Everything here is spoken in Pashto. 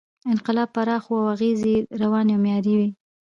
انقلاب پراخ و او اغېز یې رواني او معماري و.